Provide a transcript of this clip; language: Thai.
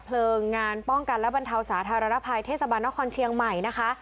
เพลิงงานป้องกันและบรรเทาสาธารณภัยเทศบาลนครเชียงใหม่นะคะ